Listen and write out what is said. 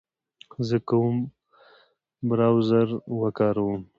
زه کوم براوزر و کاروم